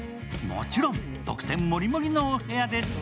もちろん特典もりもりのお部屋です。